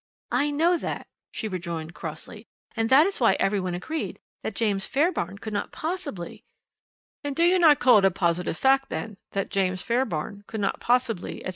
"I know that," she rejoined crossly, "and that is why every one agreed that James Fairbairn could not possibly " "And do you not call it a positive fact, then, that James Fairbairn could not possibly, etc.